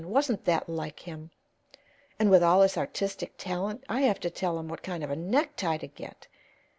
Wasn't that like him? And with all his artistic talent, I have to tell him what kind of a necktie to get.